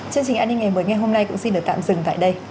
chương trình an ninh ngày mới ngay hôm nay cũng xin được tạm dừng tại đây